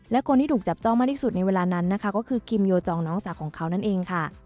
และคนที่ถูกจับจ้องมากที่สุดในเวลานั้นนะคะก็คือคิมโยจองน้องสาวของเขานั่นเองค่ะ